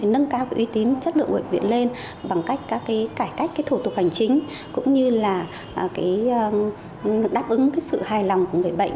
nâng cao uy tín chất lượng của bệnh viện lên bằng cách các cải cách thủ tục hành chính cũng như là đáp ứng sự hài lòng của người bệnh